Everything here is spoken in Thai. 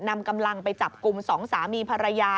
นำกำลังไปจับกลุ่มสองสามีภรรยา